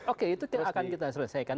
oke itu tidak akan kita selesaikan